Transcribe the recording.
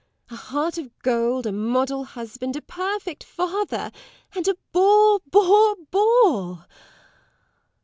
A heart of gold, a model husband, a perfect father and a bore, bore, bore!